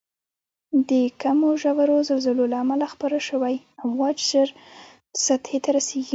د کمو ژورو زلزلو له امله خپاره شوی امواج زر سطحې ته رسیږي.